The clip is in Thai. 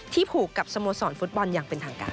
ผูกกับสโมสรฟุตบอลอย่างเป็นทางการ